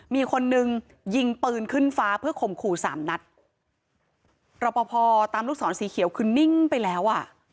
มีคนนึงยิงปืนขึ้นฟ้าเพื่อข่มขู่สามนัดรอปภตามลูกศรสีเขียวคือนิ่งไปแล้วอ่ะ